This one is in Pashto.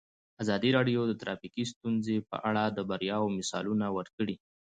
ازادي راډیو د ټرافیکي ستونزې په اړه د بریاوو مثالونه ورکړي.